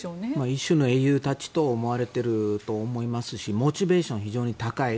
一種の英雄たちと思われていると思いますしモチベーションが非常に高い。